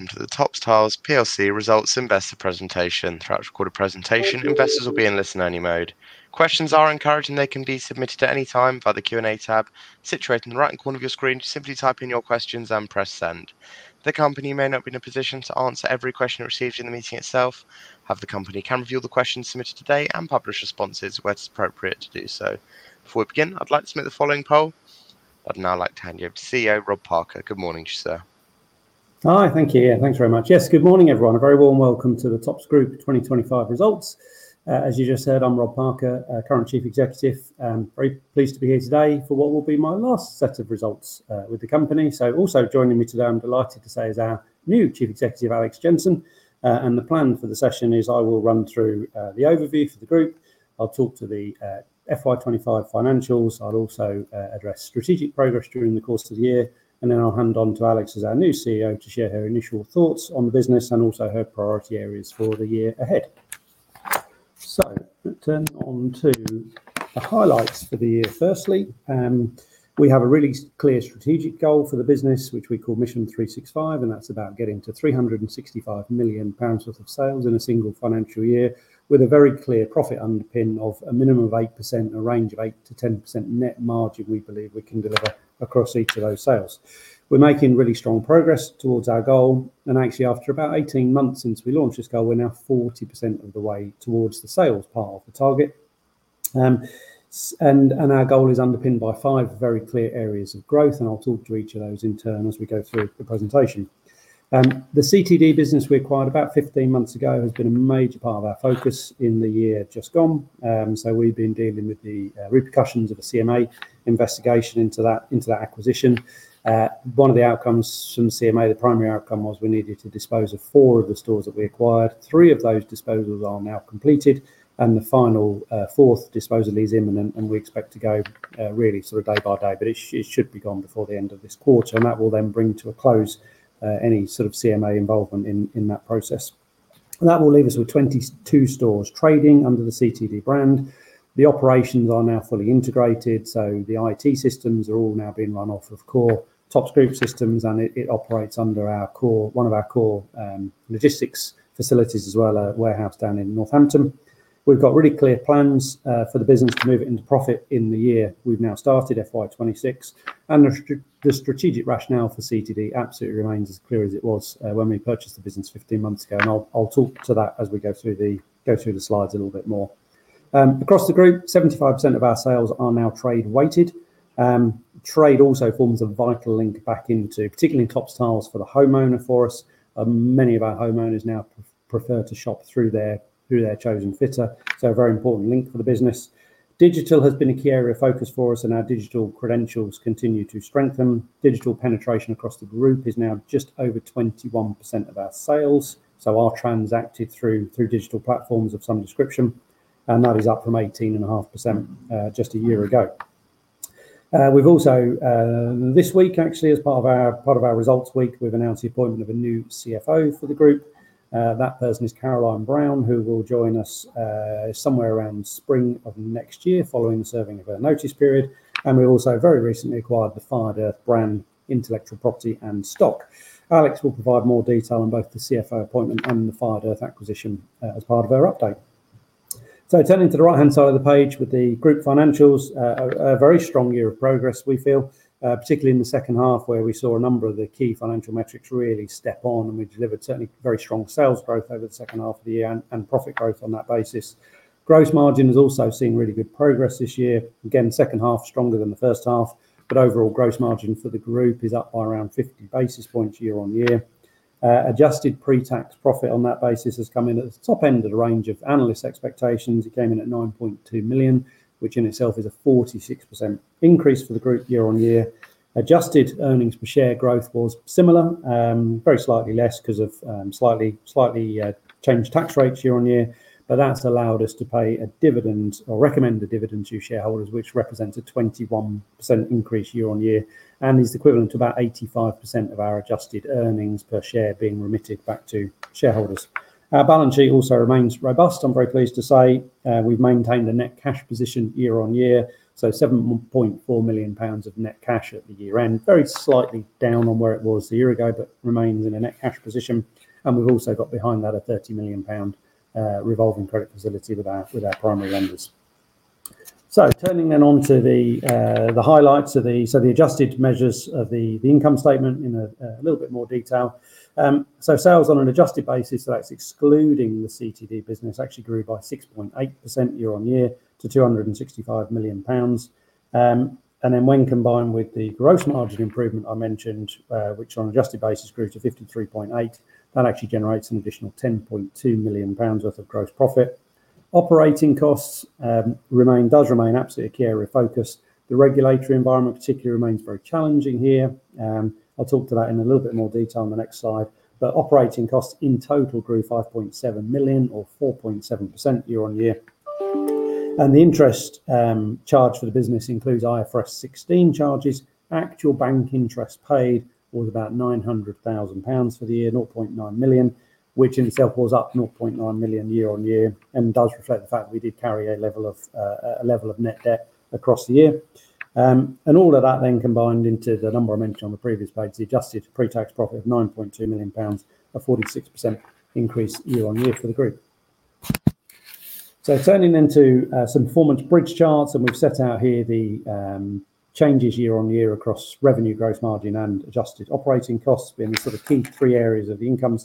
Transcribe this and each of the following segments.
Welcome to the Topps Tiles PLC Results Investor Presentation. Throughout recorded presentation, investors will be in listen-only mode. Questions are encouraged, and they can be submitted at any time via the Q&A tab situated in the right-hand corner of your screen. Just simply type in your questions and press send. The company may not be in a position to answer every question received in the meeting itself, however, the company can review the questions submitted today and publish responses where it's appropriate to do so. Before we begin, I'd like to submit the following poll. I'd now like to hand you over to CEO Rob Parker. Good morning, sir. Hi, thank you. Yeah, thanks very much. Yes, good morning, everyone. A very warm welcome to the Topps Group 2025 results. As you just heard, I'm Rob Parker, current Chief Executive, and very pleased to be here today for what will be my last set of results with the company. So also joining me today, I'm delighted to say, is our new Chief Executive, Alex Jensen. And the plan for the session is I will run through the overview for the group. I'll talk to the FY 2025 financials. I'll also address strategic progress during the course of the year. And then I'll hand on to Alex, who's our new CEO, to share her initial thoughts on the business and also her priority areas for the year ahead. So, let's turn on to the highlights for the year. Firstly, we have a really clear strategic goal for the business, which we call Mission 365, and that's about getting to 365 million pounds worth of sales in a single financial year with a very clear profit underpin of a minimum of 8%, a range of 8%-10% net margin we believe we can deliver across each of those sales. We're making really strong progress towards our goal, and actually, after about 18 months since we launched this goal, we're now 40% of the way towards the sales part of the target, and our goal is underpinned by five very clear areas of growth, and I'll talk to each of those in turn as we go through the presentation. The CTD business we acquired about 15 months ago has been a major part of our focus in the year just gone. So, we've been dealing with the repercussions of a CMA investigation into that acquisition. One of the outcomes from the CMA, the primary outcome, was we needed to dispose of four of the stores that we acquired. Three of those disposals are now completed, and the final fourth disposal is imminent. And we expect to go really sort of day by day, but it should be gone before the end of this quarter. And that will then bring to a close any sort of CMA involvement in that process. That will leave us with 22 stores trading under the CTD brand. The operations are now fully integrated, so the IT systems are all now being run off of core Topps Group systems, and it operates under one of our core logistics facilities as well, a warehouse down in Northampton. We've got really clear plans for the business to move into profit in the year. We've now started FY 2026, and the strategic rationale for CTD absolutely remains as clear as it was when we purchased the business 15 months ago. And I'll talk to that as we go through the slides a little bit more. Across the group, 75% of our sales are now trade-weighted. Trade also forms a vital link back into, particularly in Topps Tiles, for the homeowner for us. Many of our homeowners now prefer to shop through their chosen fitter. So a very important link for the business. Digital has been a key area of focus for us, and our digital credentials continue to strengthen. Digital penetration across the group is now just over 21% of our sales. Our sales transacted through digital platforms of some description, and that is up from 18.5% just a year ago. This week, actually, as part of our results week, we have announced the appointment of a new CFO for the group. That person is Caroline Browne, who will join us somewhere around spring of next year following the serving of her notice period. We also very recently acquired the Fired Earth brand intellectual property and stock. Alex will provide more detail on both the CFO appointment and the Fired Earth acquisition as part of her update. So turning to the right-hand side of the page with the group financials, a very strong year of progress, we feel, particularly in the second half, where we saw a number of the key financial metrics really step on, and we delivered certainly very strong sales growth over the second half of the year and profit growth on that basis. Gross margin has also seen really good progress this year. Again, second half stronger than the first half, but overall gross margin for the group is up by around 50 basis points year-on-year. Adjusted pre-tax profit on that basis has come in at the top end of the range of analyst expectations. It came in at 9.2 million, which in itself is a 46% increase for the group year-on-year. Adjusted earnings per share growth was similar, very slightly less because of slightly changed tax rates year-on-year, but that's allowed us to pay a dividend or recommend a dividend to shareholders, which represents a 21% increase year-on-year, and it's equivalent to about 85% of our adjusted earnings per share being remitted back to shareholders. Our balance sheet also remains robust. I'm very pleased to say we've maintained a net cash position year-on-year, so 7.4 million pounds of net cash at the year-end, very slightly down on where it was a year ago, but remains in a net cash position, and we've also got behind that a 30 million pound revolving credit facility with our primary lenders. Turning then on to the highlights, the adjusted measures of the income statement in a little bit more detail. Sales on an adjusted basis, so that's excluding the CTD business, actually grew by 6.8% year-on-year to 265 million pounds. Then when combined with the gross margin improvement I mentioned, which on an adjusted basis grew to 53.8, that actually generates an additional 10.2 million pounds worth of gross profit. Operating costs does remain absolutely a key area of focus. The regulatory environment particularly remains very challenging here. I'll talk to that in a little bit more detail on the next slide. Operating costs in total grew 5.7 million or 4.7% year-on-year. The interest charge for the business includes IFRS 16 charges. Actual bank interest paid was about 900,000 pounds for the year, 0.9 million, which in itself was up 0.9 million year-on-year and does reflect the fact that we did carry a level of net debt across the year. All of that then combined into the number I mentioned on the previous page, the adjusted pre-tax profit of 9.2 million pounds, a 46% increase year-on-year for the group. Turning then to some performance bridge charts, and we've set out here the changes year-on-year across revenue, gross margin, and adjusted operating costs being the sort of key three areas of the income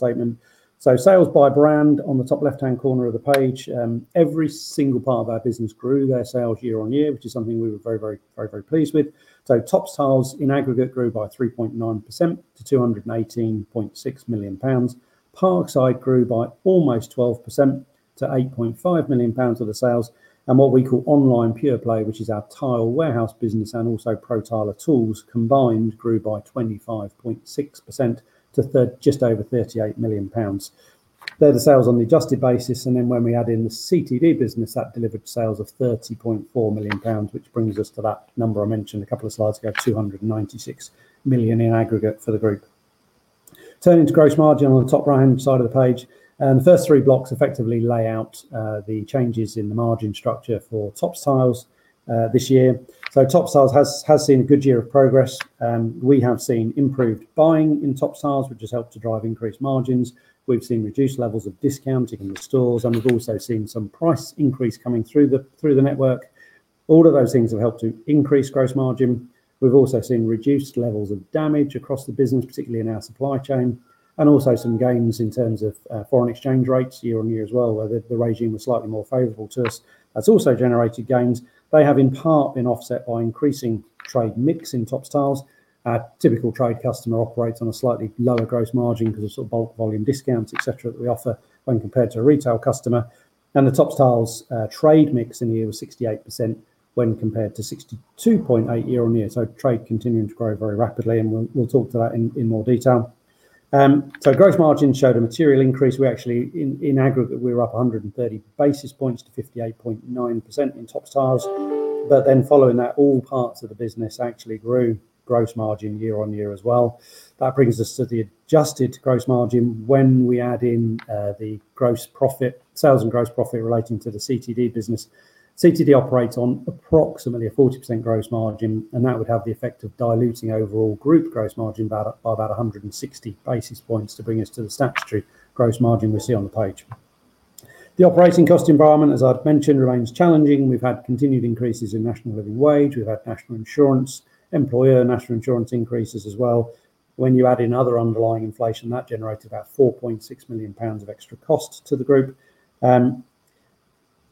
statement. Sales by brand on the top left-hand corner of the page, every single part of our business grew their sales year-on-year, which is something we were very, very, very pleased with. Topps Tiles in aggregate grew by 3.9% to 218.6 million pounds. Parkside grew by almost 12% to 8.5 million pounds of the sales. What we call online pure play, which is our tile warehouse business and also Pro Tiler Tools combined grew by 25.6% to just over 38 million pounds. They're the sales on the adjusted basis. And then when we add in the CTD business, that delivered sales of 30.4 million pounds, which brings us to that number I mentioned a couple of slides ago, 296 million in aggregate for the group. Turning to gross margin on the top right-hand side of the page, the first three blocks effectively lay out the changes in the margin structure for Topps Tiles this year. So Topps Tiles has seen a good year of progress. We have seen improved buying in Topps Tiles, which has helped to drive increased margins. We've seen reduced levels of discounting in the stores, and we've also seen some price increase coming through the network. All of those things have helped to increase gross margin. We've also seen reduced levels of damage across the business, particularly in our supply chain, and also some gains in terms of foreign exchange rates year-on-year as well, where the regime was slightly more favorable to us. That's also generated gains. They have in part been offset by increasing trade mix in Topps Tiles. Our typical trade customer operates on a slightly lower gross margin because of sort of bulk volume discounts, etc., that we offer when compared to a retail customer, and the Topps Tiles trade mix in the year was 68% when compared to 62.8% year-on-year, so trade continuing to grow very rapidly, and we'll talk to that in more detail, so gross margin showed a material increase. We actually, in aggregate, we were up 130 basis points to 58.9% in Topps Tiles. But then following that, all parts of the business actually grew gross margin year-on-year as well. That brings us to the adjusted gross margin when we add in the sales and gross profit relating to the CTD business. CTD operates on approximately a 40% gross margin, and that would have the effect of diluting overall group gross margin by about 160 basis points to bring us to the statutory gross margin we see on the page. The operating cost environment, as I've mentioned, remains challenging. We've had continued increases in National Living Wage. We've had National Insurance, employer National Insurance increases as well. When you add in other underlying inflation, that generated about 4.6 million pounds of extra costs to the group.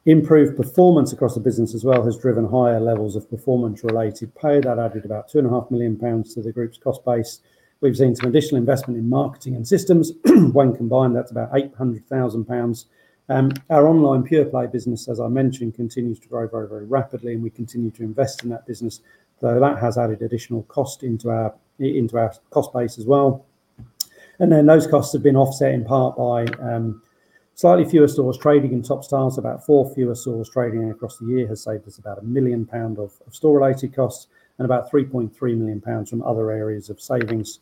Improved performance across the business as well has driven higher levels of performance-related pay. That added about 2.5 million pounds to the group's cost base. We've seen some additional investment in marketing and systems. When combined, that's about 800,000 pounds. Our online pure play business, as I mentioned, continues to grow very, very rapidly, and we continue to invest in that business, though that has added additional cost into our cost base as well, and then those costs have been offset in part by slightly fewer stores trading in Topps Tiles. About four fewer stores trading across the year has saved us about 1 million pound of store-related costs and about 3.3 million pounds from other areas of savings,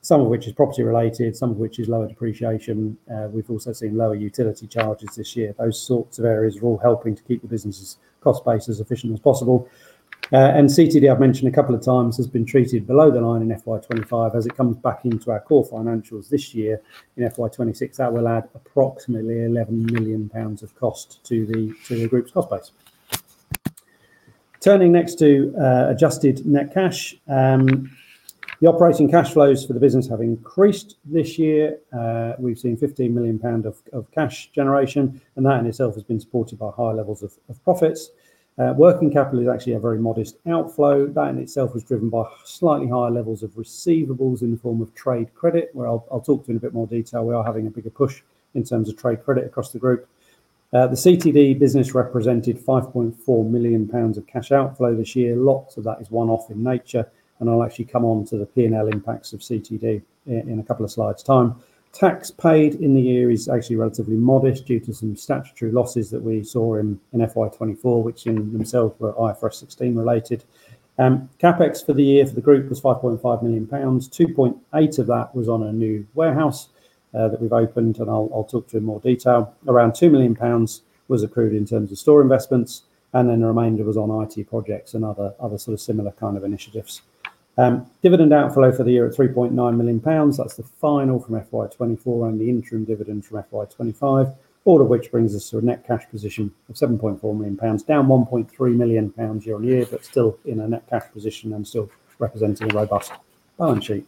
some of which is property related, some of which is lower depreciation. We've also seen lower utility charges this year. Those sorts of areas are all helping to keep the business's cost base as efficient as possible. And CTD, I've mentioned a couple of times, has been treated below the line in FY 2025 as it comes back into our core financials this year in FY 2026. That will add approximately 11 million pounds of cost to the group's cost base. Turning next to adjusted net cash, the operating cash flows for the business have increased this year. We've seen 15 million pound of cash generation, and that in itself has been supported by higher levels of profits. Working capital is actually a very modest outflow. That in itself is driven by slightly higher levels of receivables in the form of trade credit, where I'll talk to you in a bit more detail. We are having a bigger push in terms of trade credit across the group. The CTD business represented 5.4 million pounds of cash outflow this year. Lots of that is one-off in nature, and I'll actually come on to the P&L impacts of CTD in a couple of slides' time. Tax paid in the year is actually relatively modest due to some statutory losses that we saw in FY 2024, which in themselves were IFRS 16 related. CapEx for the year for the group was 5.5 million pounds. 2.8 million of that was on a new warehouse that we've opened, and I'll talk to you in more detail. Around 2 million pounds was accrued in terms of store investments, and then the remainder was on IT projects and other sort of similar kind of initiatives. Dividend outflow for the year at 3.9 million pounds. That's the final from FY 2024 and the interim dividend from FY 2025, all of which brings us to a net cash position of 7.4 million pounds, down 1.3 million pounds year-on-year, but still in a net cash position and still representing a robust balance sheet.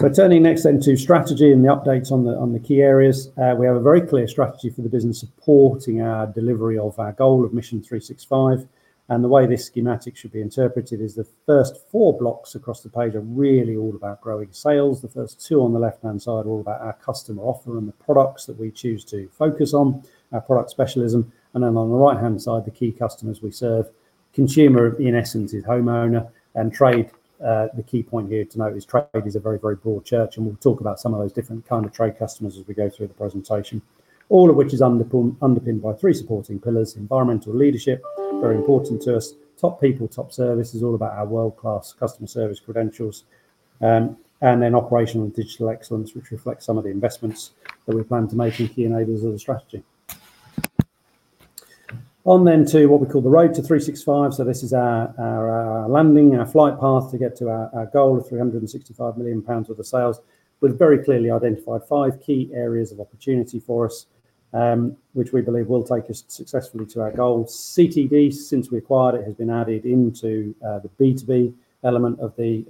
So turning next then to strategy and the updates on the key areas, we have a very clear strategy for the business supporting our delivery of our goal of Mission 365. And the way this schematic should be interpreted is the first four blocks across the page are really all about growing sales. The first two on the left-hand side are all about our customer offer and the products that we choose to focus on, our product specialism. And then on the right-hand side, the key customers we serve. Consumer, in essence, is homeowner. And trade, the key point here to note is trade is a very, very broad church, and we'll talk about some of those different kind of trade customers as we go through the presentation, all of which is underpinned by three supporting pillars: Environmental Leadership, very important to us; Topp People, Topp Service is all about our world-class customer service credentials; and then Operational & Digital Excellence, which reflects some of the investments that we plan to make in key enablers of the strategy. On then to what we call the road to 365. So this is our landing, our flight path to get to our goal of 365 million pounds with the sales. We've very clearly identified five key areas of opportunity for us, which we believe will take us successfully to our goal. CTD, since we acquired it, has been added into the B2B element of the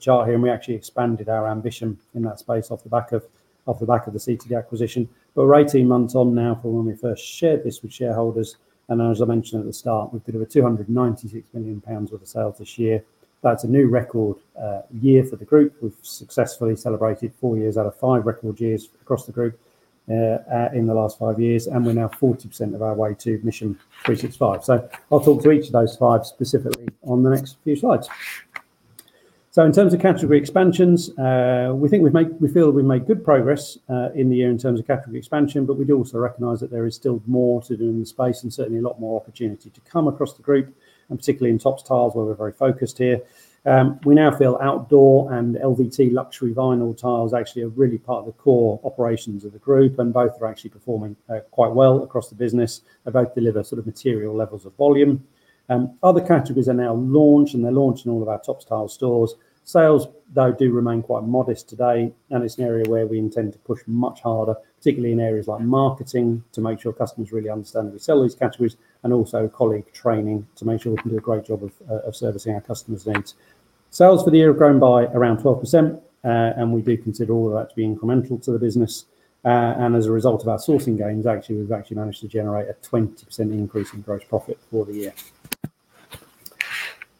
chart here, and we actually expanded our ambition in that space off the back of the CTD acquisition. But we're 18 months on now from when we first shared this with shareholders. And as I mentioned at the start, we've delivered 296 million pounds with the sales this year. That's a new record year for the group. We've successfully celebrated four years out of five record years across the group in the last five years, and we're now 40% of our way to Mission 365. So I'll talk to each of those five specifically on the next few slides. So in terms of category expansions, we feel we've made good progress in the year in terms of category expansion, but we do also recognize that there is still more to do in the space and certainly a lot more opportunity to come across the group, and particularly in Topps Tiles, where we're very focused here. We now feel outdoor and LVT luxury vinyl tiles actually are really part of the core operations of the group, and both are actually performing quite well across the business. They both deliver sort of material levels of volume. Other categories are now launched, and they're launched in all of our Topps Tiles stores. Sales, though, do remain quite modest today, and it's an area where we intend to push much harder, particularly in areas like marketing, to make sure customers really understand that we sell these categories, and also colleague training to make sure we can do a great job of servicing our customers' needs. Sales for the year have grown by around 12%, and we do consider all of that to be incremental to the business. And as a result of our sourcing gains, actually, we've actually managed to generate a 20% increase in gross profit for the year.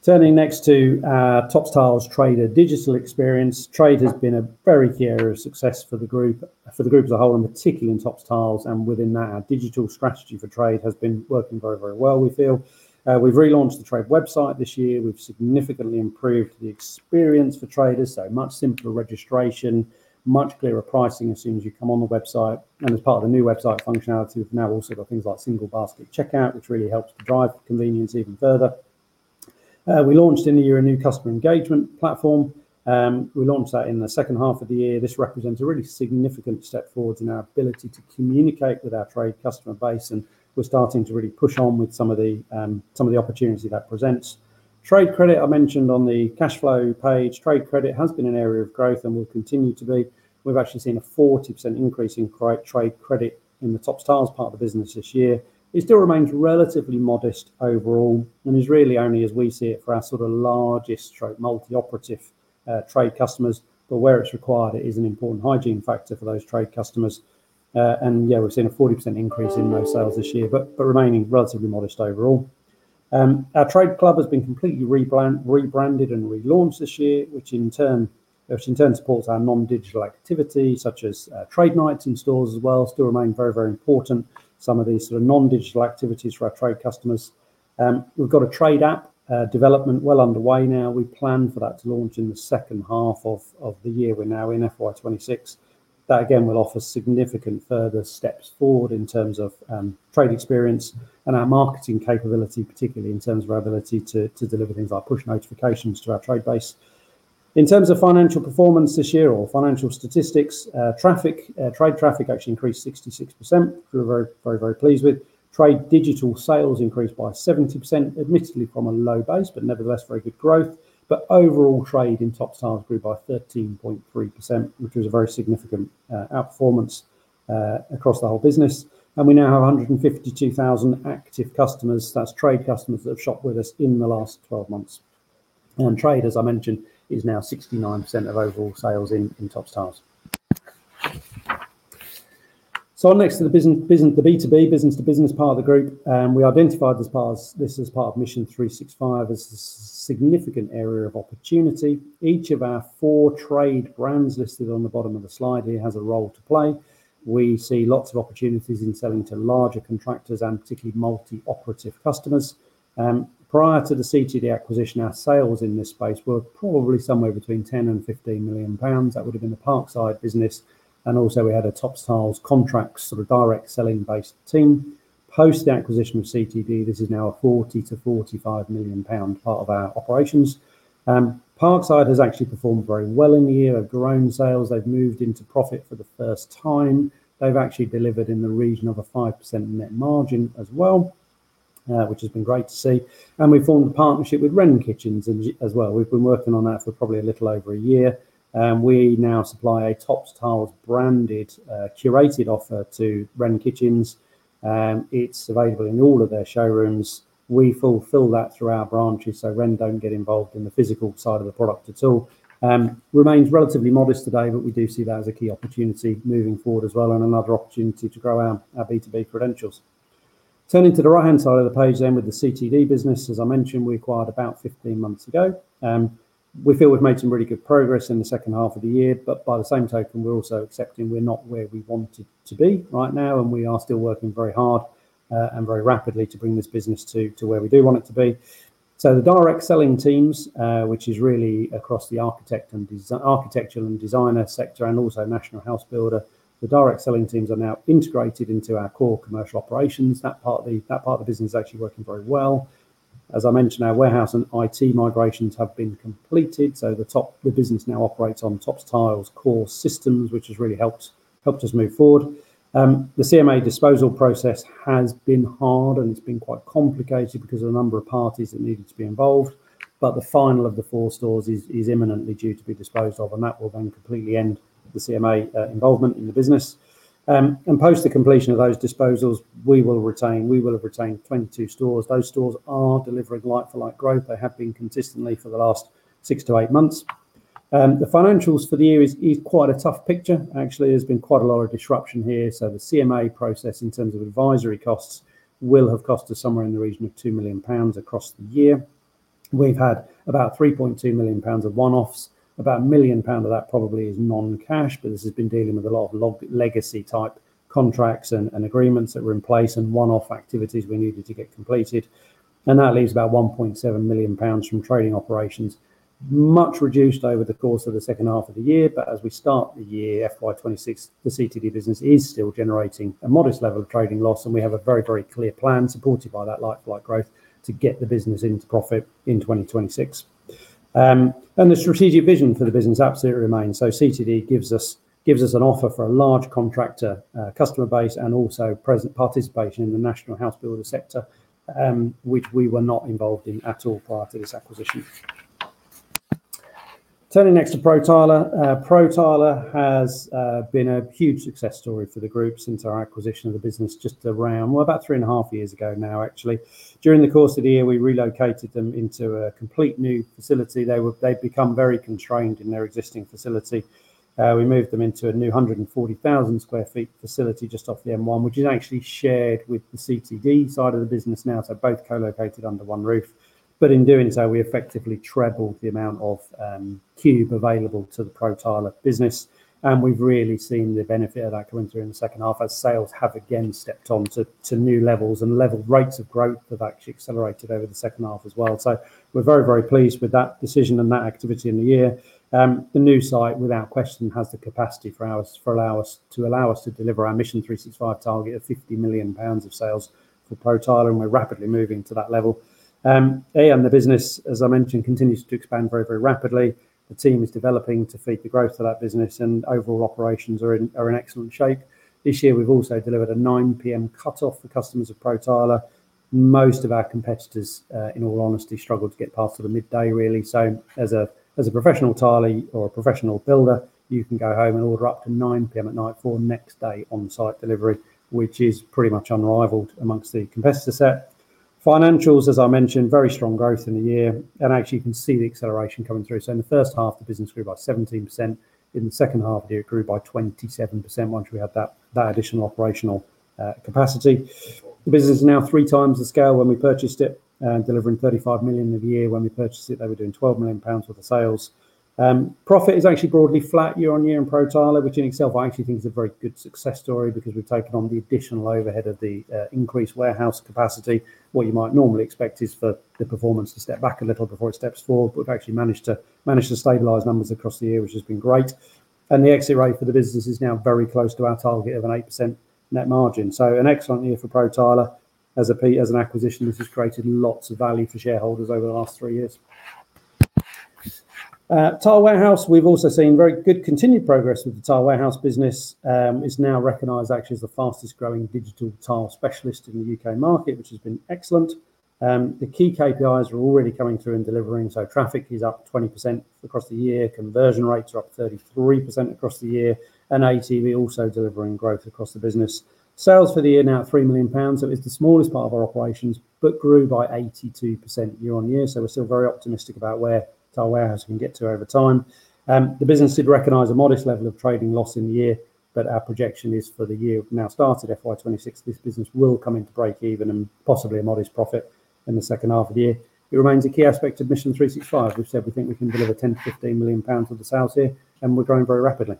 Turning next to Topps Tiles trade digital experience, trade has been a very key area of success for the group as a whole, and particularly in Topps Tiles. And within that, our digital strategy for trade has been working very, very well, we feel. We've relaunched the trade website this year. We've significantly improved the experience for traders, so much simpler registration, much clearer pricing as soon as you come on the website, and as part of the new website functionality, we've now also got things like single basket checkout, which really helps to drive convenience even further. We launched in the year a new customer engagement platform. We launched that in the second half of the year. This represents a really significant step forward in our ability to communicate with our trade customer base, and we're starting to really push on with some of the opportunity that presents. Trade credit, I mentioned on the cash flow page, trade credit has been an area of growth and will continue to be. We've actually seen a 40% increase in trade credit in the Topps Tiles part of the business this year. It still remains relatively modest overall and is really only, as we see it, for our sort of largest multi-operative trade customers, but where it's required, it is an important hygiene factor for those trade customers. Yeah, we've seen a 40% increase in those sales this year, but remaining relatively modest overall. Our trade club has been completely rebranded and relaunched this year, which in turn supports our non-digital activity such as trade nights in stores as well. Still remain very, very important, some of these sort of non-digital activities for our trade customers. We've got a trade app development well underway now. We plan for that to launch in the second half of the year we're now in FY 2026. That again will offer significant further steps forward in terms of trade experience and our marketing capability, particularly in terms of our ability to deliver things like push notifications to our trade base. In terms of financial performance this year, our financial statistics, trade traffic actually increased 66%, which we're very, very pleased with. Trade digital sales increased by 70%, admittedly from a low base, but nevertheless very good growth. But overall, trade in Topps Tiles grew by 13.3%, which was a very significant outperformance across the whole business. And we now have 152,000 active customers. That's trade customers that have shopped with us in the last 12 months. And trade, as I mentioned, is now 69% of overall sales in Topps Tiles. So, onto the B2B, business-to-business part of the group, we identified this as part of Mission 365 as a significant area of opportunity. Each of our four trade brands listed on the bottom of the slide here has a role to play. We see lots of opportunities in selling to larger contractors and particularly multi-operative customers. Prior to the CTD acquisition, our sales in this space were probably somewhere between 10 million and 15 million pounds. That would have been the Parkside business, and also we had a Topps Tiles contract sort of direct selling-based team. Post the acquisition of CTD, this is now a 40 million-45 million pound part of our operations. Parkside has actually performed very well in the year. They've grown sales. They've moved into profit for the first time. They've actually delivered in the region of a 5% net margin as well, which has been great to see, and we've formed a partnership with Wren Kitchens as well. We've been working on that for probably a little over a year. We now supply a Topps Tiles branded curated offer to Wren Kitchens. It's available in all of their showrooms. We fulfill that through our branches, so Wren don't get involved in the physical side of the product at all. Remains relatively modest today, but we do see that as a key opportunity moving forward as well and another opportunity to grow our B2B credentials. Turning to the right-hand side of the page then with the CTD business, as I mentioned, we acquired about 15 months ago. We feel we've made some really good progress in the second half of the year, but by the same token, we're also accepting we're not where we wanted to be right now, and we are still working very hard and very rapidly to bring this business to where we do want it to be. So the direct selling teams, which is really across the architectural and designer sector and also national house builder, the direct selling teams are now integrated into our core commercial operations. That part of the business is actually working very well. As I mentioned, our warehouse and IT migrations have been completed. So the business now operates on Topps Tiles core systems, which has really helped us move forward. The CMA disposal process has been hard, and it's been quite complicated because of the number of parties that needed to be involved. But the final of the four stores is imminently due to be disposed of, and that will then completely end the CMA involvement in the business. And post the completion of those disposals, we will have retained 22 stores. Those stores are delivering like-for-like growth. They have been consistently for the last six to eight months. The financials for the year is quite a tough picture. Actually, there's been quite a lot of disruption here. So the CMA process in terms of advisory costs will have cost us somewhere in the region of 2 million pounds across the year. We've had about 3.2 million pounds of one-offs. About 1 million pounds of that probably is non-cash, but this has been dealing with a lot of legacy type contracts and agreements that were in place and one-off activities we needed to get completed. And that leaves about 1.7 million pounds from trading operations, much reduced over the course of the second half of the year. But as we start the year, FY 2026, the CTD business is still generating a modest level of trading loss, and we have a very, very clear plan supported by that like-for-like growth to get the business into profit in 2026. And the strategic vision for the business absolutely remains. So CTD gives us an offer for a large contractor customer base and also presents participation in the national housebuilder sector, which we were not involved in at all prior to this acquisition. Turning next to Pro Tiler Tools. Pro Tiler Tools has been a huge success story for the group since our acquisition of the business just around, well, about three and a half years ago now, actually. During the course of the year, we relocated them into a completely new facility. They've become very constrained in their existing facility. We moved them into a new 140,000 sq ft facility just off the M1, which is actually shared with the CTD side of the business now, so both co-located under one roof. But in doing so, we effectively trebled the amount of cube available to the Pro Tiler business. We've really seen the benefit of that come through in the second half as sales have again stepped on to new levels, and like-for-like rates of growth have actually accelerated over the second half as well. We're very, very pleased with that decision and that activity in the year. The new site, without question, has the capacity to allow us to deliver our Mission 365 target of 50 million pounds of sales for Pro Tiler, and we're rapidly moving to that level. The business, as I mentioned, continues to expand very, very rapidly. The team is developing to feed the growth of that business, and overall operations are in excellent shape. This year, we've also delivered a 9:00 P.M. cutoff for customers of Pro Tiler. Most of our competitors, in all honesty, struggled to get past the midday, really. So as a professional tiler or a professional builder, you can go home and order up to 9:00 P.M. at night for next day on-site delivery, which is pretty much unrivaled amongst the competitor set. Financials, as I mentioned, very strong growth in the year. And actually, you can see the acceleration coming through. So in the first half, the business grew by 17%. In the second half of the year, it grew by 27% once we had that additional operational capacity. The business is now three times the scale when we purchased it, delivering 35 million a year. When we purchased it, they were doing 12 million pounds worth of sales. Profit is actually broadly flat year-on-year in Pro Tiler, which in itself, I actually think, is a very good success story because we've taken on the additional overhead of the increased warehouse capacity. What you might normally expect is for the performance to step back a little before it steps forward, but we've actually managed to stabilize numbers across the year, which has been great. And the exit rate for the business is now very close to our target of an 8% net margin. So an excellent year for Pro Tiler. As an acquisition, this has created lots of value for shareholders over the last three years. The Tile Warehouse, we've also seen very good continued progress with the Tile Warehouse business. It's now recognized actually as the fastest growing digital tile specialist in the U.K. market, which has been excellent. The key KPIs are already coming through in delivering. So traffic is up 20% across the year. Conversion rates are up 33% across the year. And ATV also delivering growth across the business. Sales for the year now at 3 million pounds. So it's the smallest part of our operations, but grew by 82% year-on-year. So we're still very optimistic about where Tile Warehouse can get to over time. The business did recognize a modest level of trading loss in the year, but our projection is for the year we've now started FY 2026. This business will come into break-even and possibly a modest profit in the second half of the year. It remains a key aspect of Mission 365. We've said we think we can deliver 10 million-15 million pounds of the sales here, and we're growing very rapidly.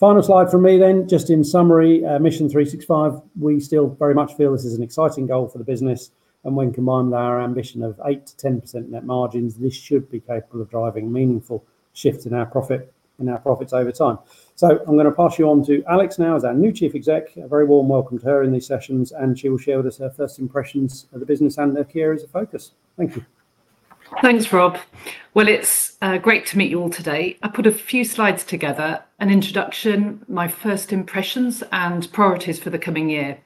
Final slide from me then. Just in summary, Mission 365, we still very much feel this is an exciting goal for the business. And when combined with our ambition of 8%-10% net margins, this should be capable of driving a meaningful shift in our profits over time. I'm going to pass you on to Alex now, who is our new chief exec. A very warm welcome to her in these sessions, and she will share with us her first impressions of the business and her key areas of focus. Thank you. Thanks, Rob. It's great to meet you all today. I put a few slides together, an introduction, my first impressions, and priorities for the coming year.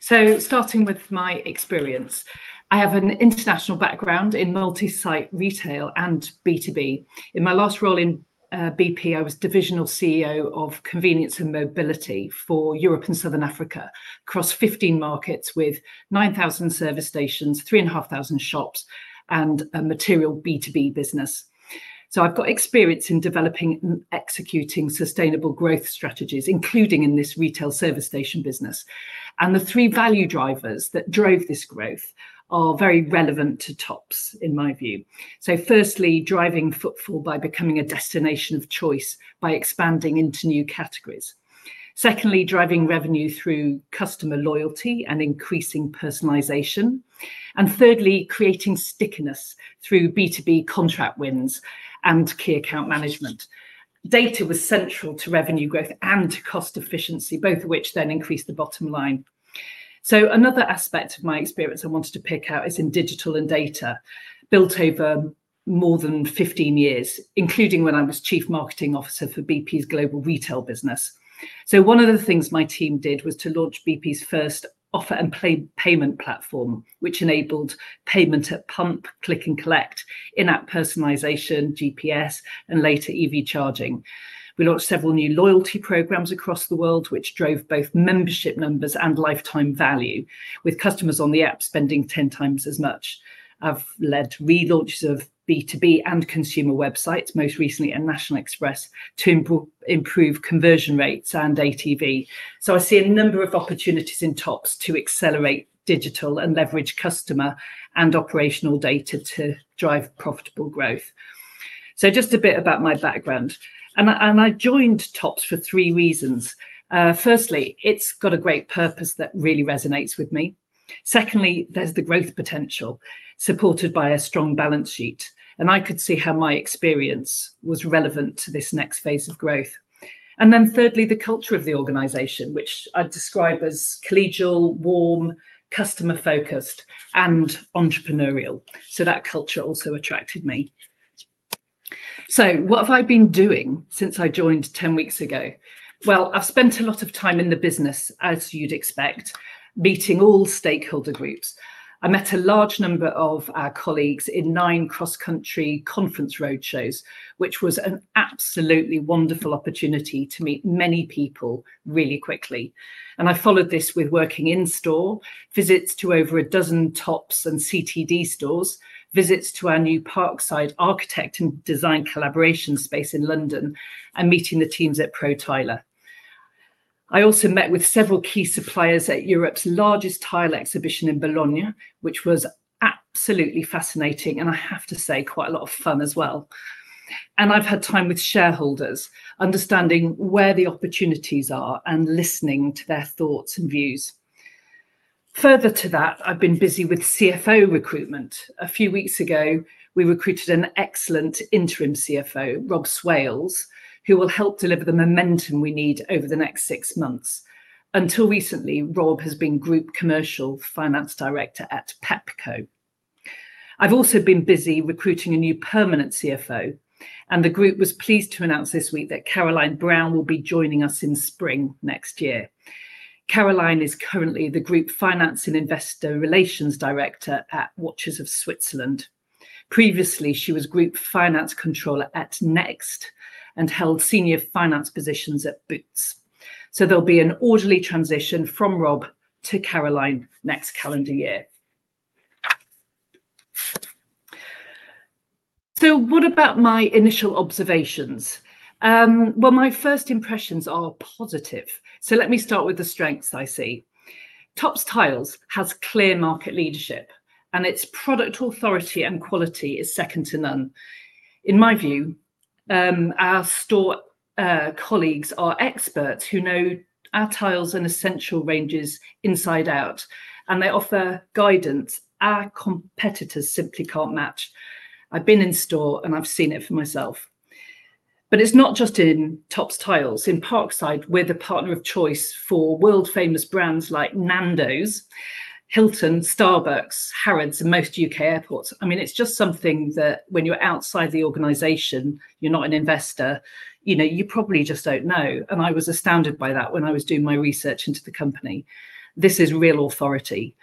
Starting with my experience, I have an international background in multi-site retail and B2B. In my last role in BP, I was divisional CEO of Convenience and Mobility for Europe and Southern Africa across 15 markets with 9,000 service stations, 3,500 shops, and a material B2B business. I've got experience in developing and executing sustainable growth strategies, including in this retail service station business. And the three value drivers that drove this growth are very relevant to Topps, in my view. So firstly, driving footfall by becoming a destination of choice by expanding into new categories. Secondly, driving revenue through customer loyalty and increasing personalization. And thirdly, creating stickiness through B2B contract wins and key account management. Data was central to revenue growth and cost efficiency, both of which then increased the bottom line. So another aspect of my experience I wanted to pick out is in digital and data, built over more than 15 years, including when I was Chief Marketing Officer for BP's global retail business. So one of the things my team did was to launch BP's first offer and payment platform, which enabled payment at pump, click, and collect, in-app personalization, GPS, and later EV charging. We launched several new loyalty programs across the world, which drove both membership numbers and lifetime value, with customers on the app spending 10x as much. I've led relaunches of B2B and consumer websites, most recently in National Express, to improve conversion rates and ATV. So I see a number of opportunities in Topps to accelerate digital and leverage customer and operational data to drive profitable growth. So just a bit about my background. And I joined Topps for three reasons. Firstly, it's got a great purpose that really resonates with me. Secondly, there's the growth potential supported by a strong balance sheet. And I could see how my experience was relevant to this next phase of growth. And then thirdly, the culture of the organization, which I'd describe as collegial, warm, customer-focused, and entrepreneurial. So that culture also attracted me. So what have I been doing since I joined 10 weeks ago? Well, I've spent a lot of time in the business, as you'd expect, meeting all stakeholder groups. I met a large number of our colleagues in nine cross-country conference roadshows, which was an absolutely wonderful opportunity to meet many people really quickly. And I followed this with working in-store, visits to over a dozen Topps and CTD stores, visits to our new Parkside architect and design collaboration space in London, and meeting the teams at Pro Tiler. I also met with several key suppliers at Europe's largest tile exhibition in Bologna, which was absolutely fascinating, and I have to say quite a lot of fun as well. And I've had time with shareholders, understanding where the opportunities are and listening to their thoughts and views. Further to that, I've been busy with CFO recruitment. A few weeks ago, we recruited an excellent Interim CFO, Rob Swales, who will help deliver the momentum we need over the next six months. Until recently, Rob has been Group Commercial Finance Director at Pepco. I've also been busy recruiting a new permanent CFO, and the group was pleased to announce this week that Caroline Browne will be joining us in spring next year. Caroline is currently the Group Finance and Investor Relations Director at Watches of Switzerland. Previously, she was Group Finance Controller at Next and held senior finance positions at Boots, so there'll be an orderly transition from Rob to Caroline next calendar year, so what about my initial observations? Well, my first impressions are positive, so let me start with the strengths I see. Topps Tiles has clear market leadership, and its product authority and quality is second to none. In my view, our store colleagues are experts who know our tiles and essential ranges inside out, and they offer guidance our competitors simply can't match. I've been in store, and I've seen it for myself, but it's not just in Topps Tiles. In Parkside, we're the partner of choice for world-famous brands like Nando's, Hilton, Starbucks, Harrods, and most U.K. airports. I mean, it's just something that when you're outside the organization, you're not an investor, you probably just don't know, and I was astounded by that when I was doing my research into the company. This is real authority.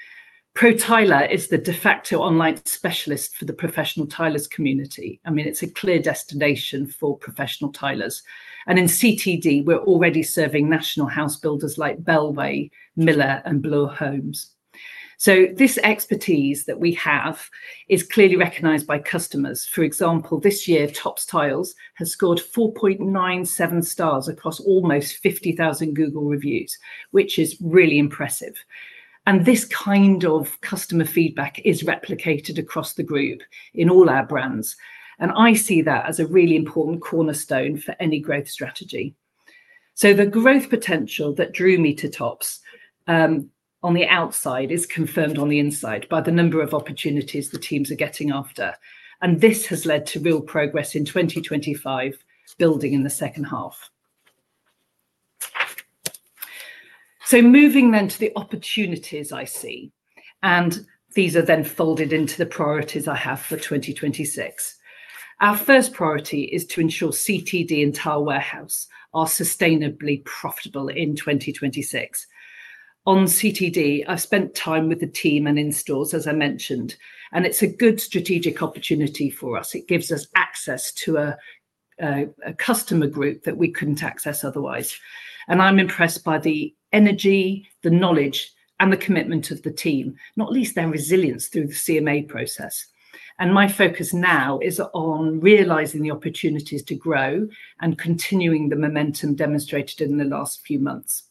Pro Tiler is the de facto online specialist for the professional tilers' community. I mean, it's a clear destination for professional tilers, and in CTD, we're already serving national housebuilders like Bellway, Miller, and Bloor Homes, so this expertise that we have is clearly recognized by customers. For example, this year, Topps Tiles has scored 4.97 stars across almost 50,000 Google reviews, which is really impressive, and this kind of customer feedback is replicated across the group in all our brands, and I see that as a really important cornerstone for any growth strategy, so the growth potential that drew me to Topps on the outside is confirmed on the inside by the number of opportunities the teams are getting after, and this has led to real progress in 2025, building in the second half, so moving then to the opportunities I see, and these are then folded into the priorities I have for 2026. Our first priority is to ensure CTD and Tile Warehouse are sustainably profitable in 2026. On CTD, I've spent time with the team and in stores, as I mentioned, and it's a good strategic opportunity for us. It gives us access to a customer group that we couldn't access otherwise, and I'm impressed by the energy, the knowledge, and the commitment of the team, not least their resilience through the CMA process, and my focus now is on realizing the opportunities to grow and continuing the momentum demonstrated in the last few months.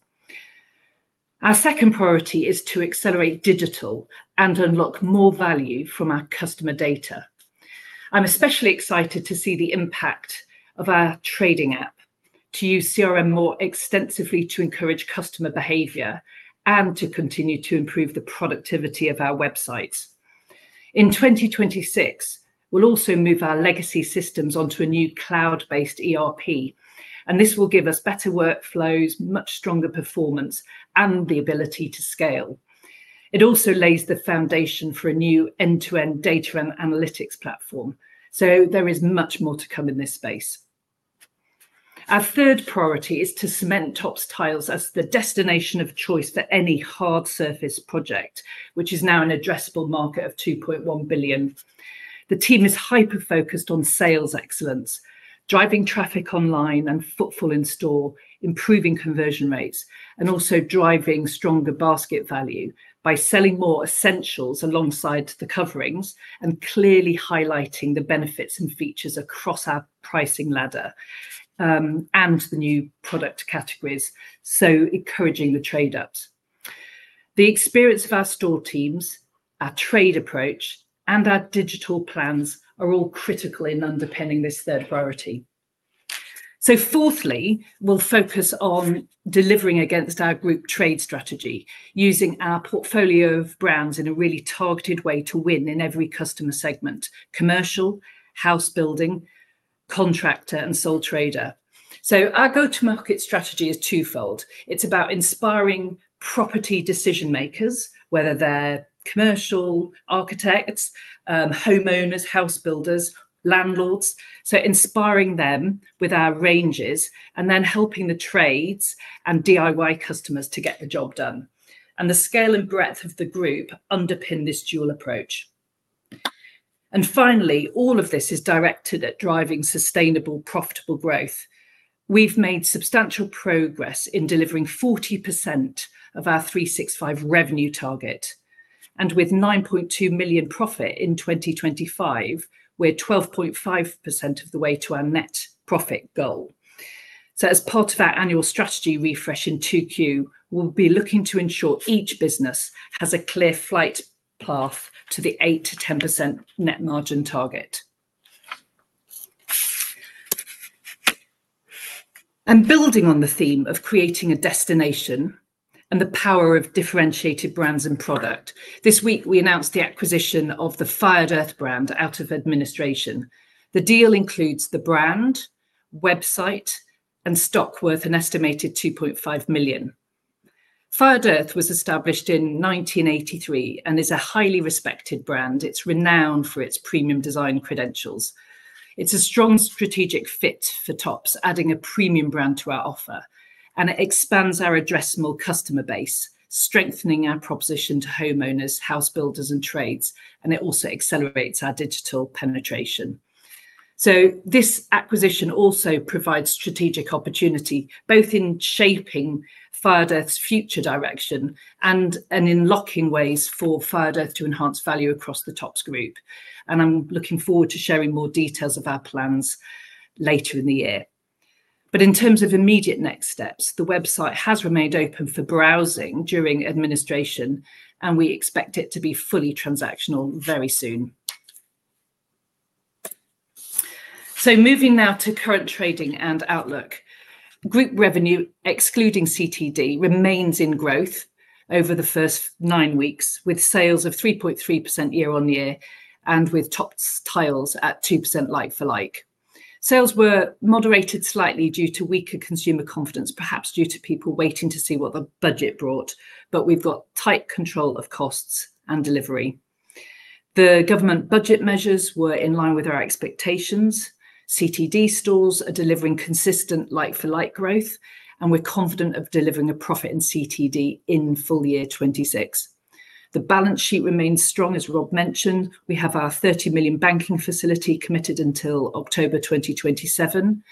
Our second priority is to accelerate digital and unlock more value from our customer data. I'm especially excited to see the impact of our trading app, to use CRM more extensively to encourage customer behavior and to continue to improve the productivity of our websites. In 2026, we'll also move our legacy systems onto a new cloud-based ERP, and this will give us better workflows, much stronger performance, and the ability to scale. It also lays the foundation for a new end-to-end data and analytics platform. So there is much more to come in this space. Our third priority is to cement Topps Tiles as the destination of choice for any hard-surface project, which is now an addressable market of 2.1 billion. The team is hyper-focused on sales excellence, driving traffic online and footfall in store, improving conversion rates, and also driving stronger basket value by selling more essentials alongside the coverings and clearly highlighting the benefits and features across our pricing ladder and the new product categories, so encouraging the trade-ups. The experience of our store teams, our trade approach, and our digital plans are all critical in underpinning this third priority. So fourthly, we'll focus on delivering against our group trade strategy, using our portfolio of brands in a really targeted way to win in every customer segment: commercial, housebuilding, contractor, and sole trader. So our go-to-market strategy is twofold. It's about inspiring property decision-makers, whether they're commercial architects, homeowners, housebuilders, landlords. So inspiring them with our ranges and then helping the trades and DIY customers to get the job done. And the scale and breadth of the group underpin this dual approach. And finally, all of this is directed at driving sustainable, profitable growth. We've made substantial progress in delivering 40% of our 365 revenue target. And with 9.2 million profit in 2025, we're 12.5% of the way to our net profit goal. So as part of our annual strategy refresh in 2Q, we'll be looking to ensure each business has a clear flight path to the 8%-10% net margin target. And building on the theme of creating a destination and the power of differentiated brands and product, this week we announced the acquisition of the Fired Earth brand out of administration. The deal includes the brand, website, and stock worth an estimated 2.5 million. Fired Earth was established in 1983 and is a highly respected brand. It's renowned for its premium design credentials. It's a strong strategic fit for Topps, adding a premium brand to our offer, and it expands our addressable customer base, strengthening our proposition to homeowners, housebuilders, and trades, and it also accelerates our digital penetration, so this acquisition also provides strategic opportunity, both in shaping Fired Earth's future direction and in unlocking ways for Fired Earth to enhance value across the Topps group, and I'm looking forward to sharing more details of our plans later in the year, but in terms of immediate next steps, the website has remained open for browsing during administration, and we expect it to be fully transactional very soon, so moving now to current trading and outlook. Group revenue, excluding CTD, remains in growth over the first nine weeks, with sales of 3.3% year-on-year and with Topps Tiles at 2% like-for-like. Sales were moderated slightly due to weaker consumer confidence, perhaps due to people waiting to see what the budget brought, but we've got tight control of costs and delivery. The government budget measures were in line with our expectations. CTD stores are delivering consistent like-for-like growth, and we're confident of delivering a profit in CTD in full year 2026. The balance sheet remains strong, as Rob mentioned. We have our 30 million banking facility committed until October 2027,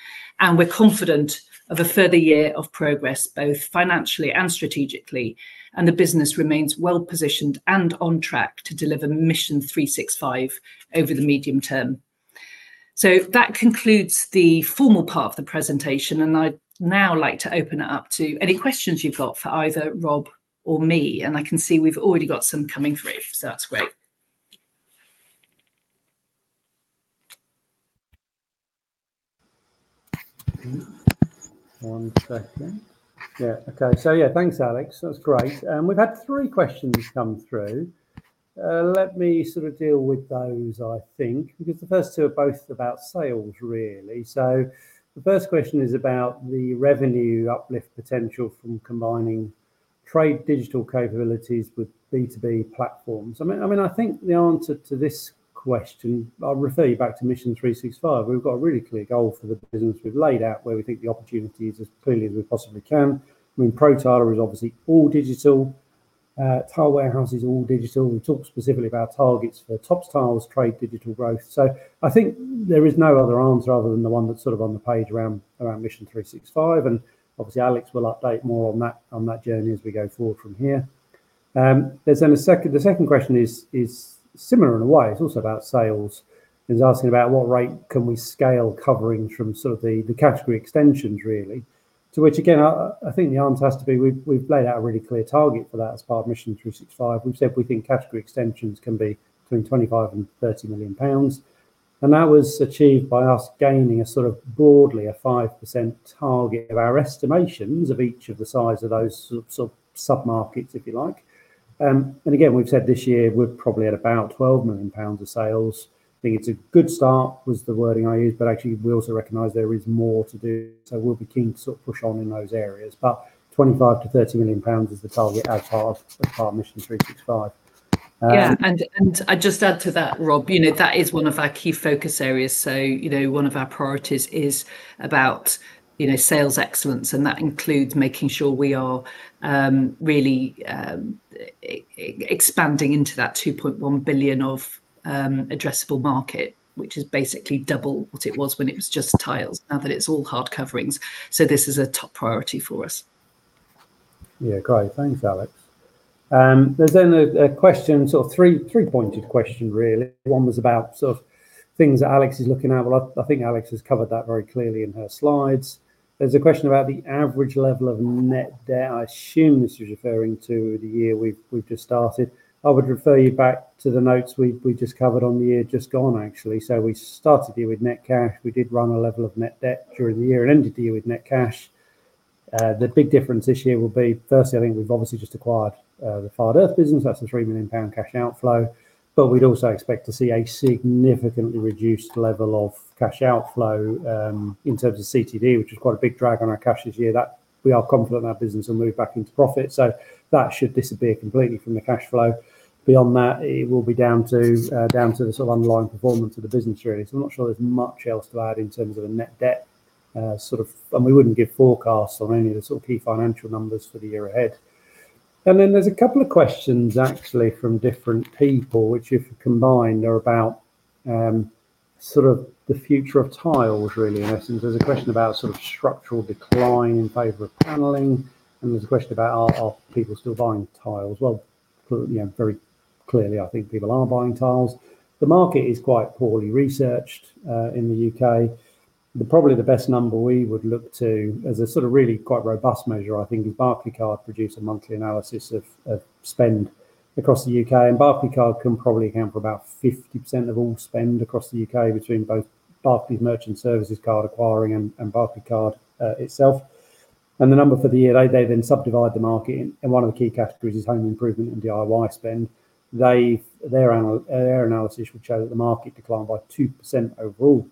and we're confident of a further year of progress, both financially and strategically, and the business remains well-positioned and on track to deliver Mission 365 over the medium term. So that concludes the formal part of the presentation, and I'd now like to open it up to any questions you've got for either Rob or me. And I can see we've already got some coming through, so that's great. One second. Yeah. Okay. So yeah, thanks, Alex. That's great. And we've had three questions come through. Let me sort of deal with those, I think, because the first two are both about sales, really. So the first question is about the revenue uplift potential from combining trade digital capabilities with B2B platforms. I mean, I think the answer to this question. I'll refer you back to Mission 365. We've got a really clear goal for the business. We've laid out where we think the opportunity is as clearly as we possibly can. I mean, Pro Tiler is obviously all digital. Tile Warehouse is all digital. We talk specifically about targets for Topps Tiles trade digital growth. So I think there is no other answer other than the one that's sort of on the page around Mission 365. And obviously, Alex will update more on that journey as we go forward from here. The second question is similar in a way. It's also about sales. It's asking about what rate can we scale coverings from sort of the category extensions, really, to which, again, I think the answer has to be we've laid out a really clear target for that as part of Mission 365. We've said we think category extensions can be between 25 million and 30 million pounds. And that was achieved by us gaining a sort of broadly a 5% target of our estimations of each of the size of those sort of sub-markets, if you like. And again, we've said this year we're probably at about 12 million pounds of sales. I think it's a good start, was the wording I used, but actually, we also recognize there is more to do. So we'll be keen to sort of push on in those areas. But 25 million-30 million pounds is the target as part of Mission 365. Yeah. And I just add to that, Rob, that is one of our key focus areas. So one of our priorities is about sales excellence, and that includes making sure we are really expanding into that 2.1 billion of addressable market, which is basically double what it was when it was just tiles, now that it's all hard coverings. So this is a top priority for us. Yeah. Great. Thanks, Alex. There's then a question, sort of three-pointed question, really. One was about sort of things that Alex is looking at. Well, I think Alex has covered that very clearly in her slides. There's a question about the average level of net debt. I assume this is referring to the year we've just started. I would refer you back to the notes we've just covered on the year just gone, actually. So we started the year with net cash. We did run a level of net debt during the year and ended the year with net cash. The big difference this year will be, firstly, I think we've obviously just acquired the Fired Earth business. That's a 3 million pound cash outflow. But we'd also expect to see a significantly reduced level of cash outflow in terms of CTD, which is quite a big drag on our cash this year. We are confident our business will move back into profit. So that should disappear completely from the cash flow. Beyond that, it will be down to the sort of underlying performance of the business, really. So I'm not sure there's much else to add in terms of a net debt sort of. And we wouldn't give forecasts on any of the sort of key financial numbers for the year ahead. And then there's a couple of questions, actually, from different people, which, if combined, are about sort of the future of tiles, really, in essence. There's a question about sort of structural decline in favor of paneling. And there's a question about are people still buying tiles. Well, very clearly, I think people are buying tiles. The market is quite poorly researched in the U.K. Probably the best number we would look to, as a sort of really quite robust measure, I think, is Barclaycard produce a monthly analysis of spend across the U.K., and Barclaycard can probably account for about 50% of all spend across the U.K. between both Barclays merchant services card acquiring and Barclaycard itself. And the number for the year, they then subdivide the market, and one of the key categories is home improvement and DIY spend. Their analysis would show that the market declined by 2% overall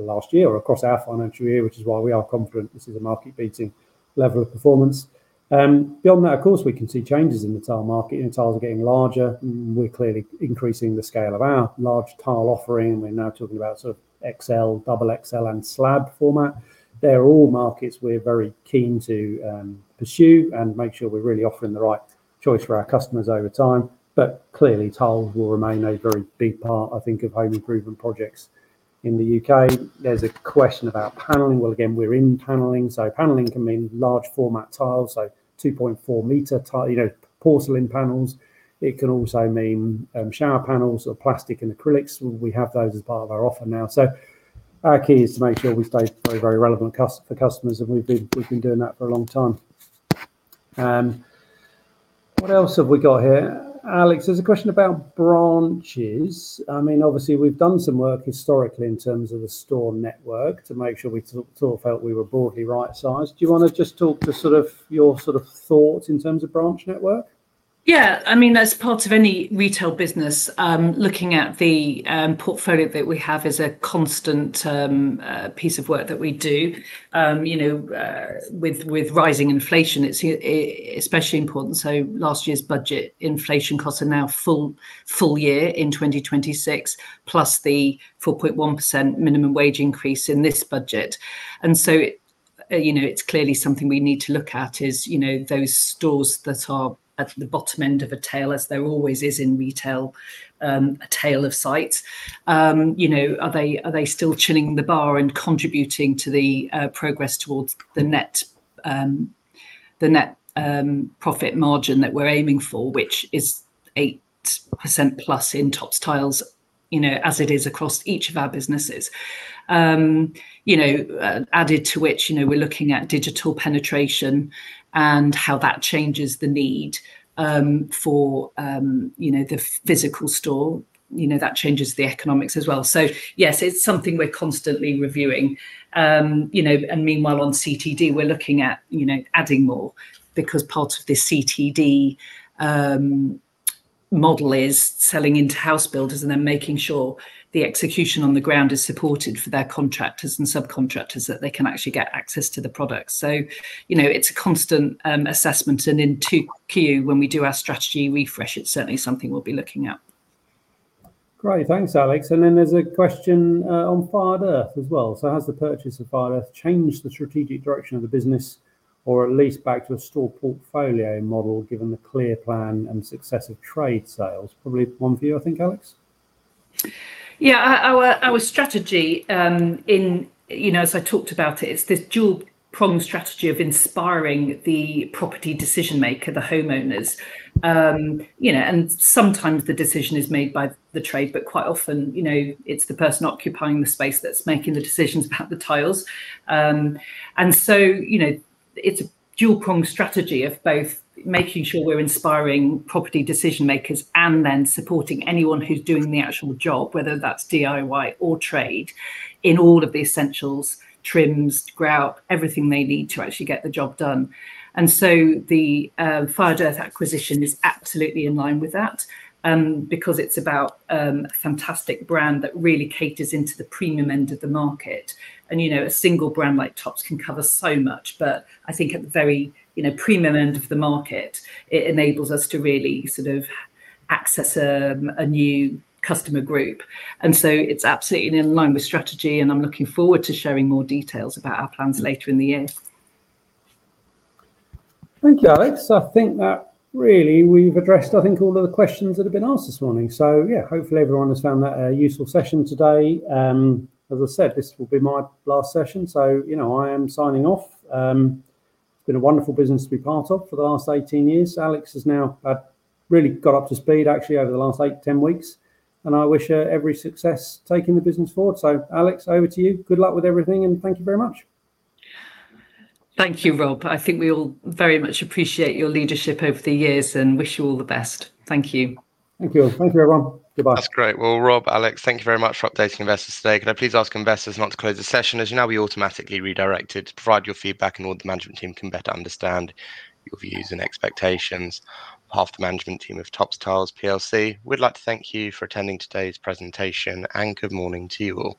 last year or across our financial year, which is why we are confident this is a market-beating level of performance. Beyond that, of course, we can see changes in the tile market. Tiles are getting larger. We're clearly increasing the scale of our large tile offering. We're now talking about sort of XL, 2XL, and slab format. They're all markets we're very keen to pursue and make sure we're really offering the right choice for our customers over time. But clearly, tiles will remain a very big part, I think, of home improvement projects in the U.K. There's a question about paneling. Well, again, we're in paneling. So paneling can mean large-format tiles, so 2.4 m porcelain panels. It can also mean shower panels or plastic and acrylics. We have those as part of our offer now. So our key is to make sure we stay very, very relevant for customers, and we've been doing that for a long time. What else have we got here? Alex, there's a question about branches. I mean, obviously, we've done some work historically in terms of the store network to make sure we sort of felt we were broadly right-sized. Do you want to just talk to sort of your thoughts in terms of branch network? Yeah. I mean, as part of any retail business, looking at the portfolio that we have is a constant piece of work that we do. With rising inflation, it's especially important. So last year's budget inflation costs are now full year in 2026, plus the 4.1% minimum wage increase in this budget. And so it's clearly something we need to look at is those stores that are at the bottom end of a tail, as there always is in retail, a tail of sites. Are they still chilling the bar and contributing to the progress towards the net profit margin that we're aiming for, which is 8% plus in Topps Tiles as it is across each of our businesses? Added to which we're looking at digital penetration and how that changes the need for the physical store, that changes the economics as well. So yes, it's something we're constantly reviewing. And meanwhile, on CTD, we're looking at adding more because part of this CTD model is selling into housebuilders and then making sure the execution on the ground is supported for their contractors and subcontractors that they can actually get access to the products. So it's a constant assessment. And in 2Q, when we do our strategy refresh, it's certainly something we'll be looking at. Great. Thanks, Alex. And then there's a question on Fired Earth as well. So has the purchase of Fired Earth changed the strategic direction of the business, or at least back to a store portfolio model given the clear plan and successive trade sales? Probably one for you, I think, Alex. Yeah. Our strategy, as I talked about it, it's this dual-pronged strategy of inspiring the property decision-maker, the homeowners, and sometimes the decision is made by the trade, but quite often, it's the person occupying the space that's making the decisions about the tiles, and so it's a dual-pronged strategy of both making sure we're inspiring property decision-makers and then supporting anyone who's doing the actual job, whether that's DIY or trade, in all of the essentials, trims, grout, everything they need to actually get the job done, and so the Fired Earth acquisition is absolutely in line with that because it's about a fantastic brand that really caters into the premium end of the market, and a single brand like Topps can cover so much, but I think at the very premium end of the market, it enables us to really sort of access a new customer group. And so it's absolutely in line with strategy, and I'm looking forward to sharing more details about our plans later in the year. Thank you, Alex. I think that really we've addressed, I think, all of the questions that have been asked this morning. So yeah, hopefully, everyone has found that a useful session today. As I said, this will be my last session. So I am signing off. It's been a wonderful business to be part of for the last 18 years. Alex has now really got up to speed, actually, over the last eight, 10 weeks. And I wish her every success taking the business forward. So Alex, over to you. Good luck with everything, and thank you very much. Thank you, Rob. I think we all very much appreciate your leadership over the years and wish you all the best. Thank you. Thank you. Thank you, everyone. Goodbye. That's great. Well, Rob, Alex, thank you very much for updating investors today. Can I please ask investors not to close the session? As you know, we automatically redirected to provide your feedback in order the management team can better understand your views and expectations. Half the management team of Topps Tiles PLC. We'd like to thank you for attending today's presentation, and good morning to you all.